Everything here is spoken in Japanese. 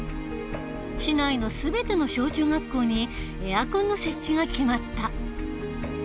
市内の全ての小中学校にエアコンの設置が決まった。